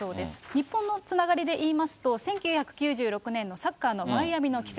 日本のつながりで言いますと、１９９６年のサッカーのマイアミの奇跡。